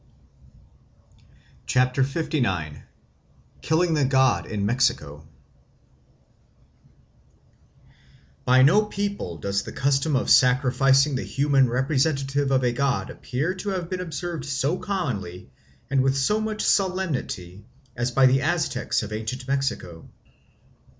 LIX. Killing the God in Mexico BY NO PEOPLE does the custom of sacrificing the human representative of a god appear to have been observed so commonly and with so much solemnity as by the Aztecs of ancient Mexico.